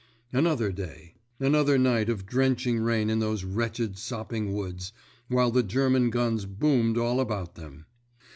Another day; another night of drenching rain in those wretched sopping woods, while the German guns boomed all about them.